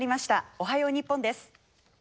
「おはよう日本」です。